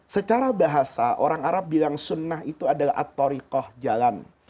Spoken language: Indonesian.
secara bahasa orang arab bilang sunnah itu adalah atorikoh jalan